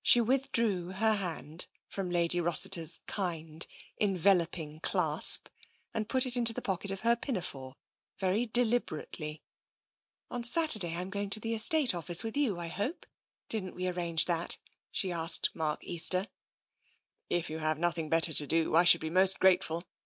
She withdrew her hand from Lady Rossiter's kind, enveloping clasp and put it into the pocket of her pina fore very deliberately. " On Saturdays I'm going to the estate office with TENSION 59 you, I hope. Didn't we arrange that?" she asked Mark Easter. If you have nothing better to do, I should be most grateful.